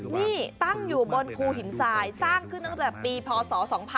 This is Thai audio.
นี่ตั้งอยู่บนภูหินทรายสร้างขึ้นตั้งแต่ปีพศ๒๕๖๒